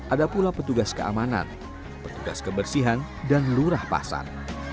ada pula petugas keamanan petugas kebersihan dan lurah pasar